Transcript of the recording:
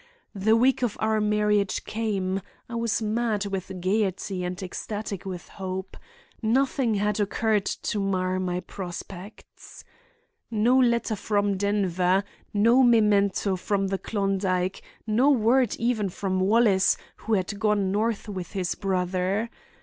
The week of our marriage came; I was mad with gaiety and ecstatic with hope. Nothing had occurred to mar my prospects. No letter from Denver—no memento from the Klondike, no word even from Wallace, who had gone north with his brother.